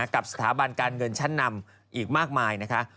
กับสถาบันการเงินชั้นนำอีกมากมายนะคะ